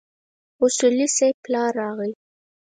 اصولي صیب پلار راغی.